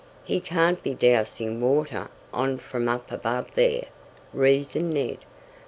"He can't be dousing water on from up above there," reasoned Ned.